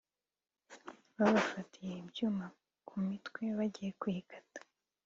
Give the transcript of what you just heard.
babafatiye ibyuma ku mitwe bagiye kuyikata